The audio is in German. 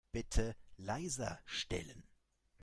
Bitte leiser stellen.